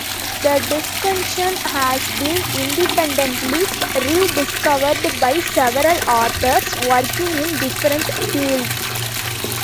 The distribution has been independently rediscovered by several authors working in different fields.